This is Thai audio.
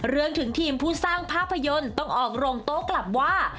ถึงทีมผู้สร้างภาพยนตร์ต้องออกโรงโต๊ะกลับว่า